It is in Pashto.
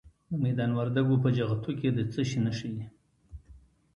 د میدان وردګو په جغتو کې د څه شي نښې دي؟